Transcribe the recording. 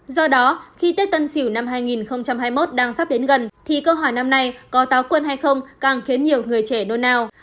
do đó khi tết tân sỉu năm hai nghìn hai mươi một đang sắp đến gần thì câu hỏi năm nay có táo quân hay không càng khiến nhiều người trẻ nôn ào